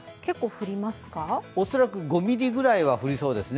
恐らく５ミリぐらいは降りそうですね。